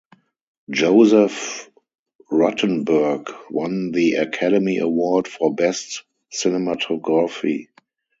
Joseph Ruttenberg won the Academy Award for Best Cinematography.